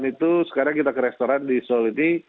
restoran itu sekarang kita ke restoran di seoul ini